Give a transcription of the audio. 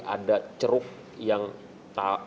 ada ceruk yang mereka tidak favor ke anda